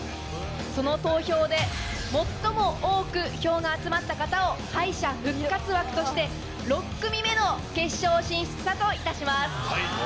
その投票で最も多く票が集まった方を敗者復活枠として６組目の決勝進出者といたします。